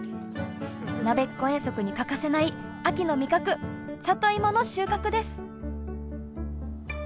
なべっこ遠足に欠かせない秋の味覚里芋の収穫です！